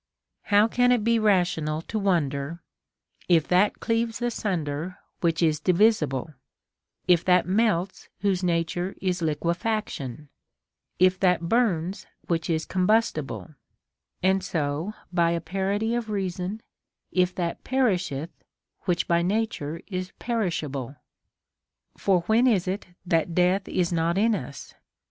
How can it be rational to wonder, if that clea\'es asunder which is divisible, if that melts whose nature is liquefaction, if that burns which is combustible, and so, by a parity of reason, if that perisheth which by nature is perishable ] For Avhen is it that death is not in us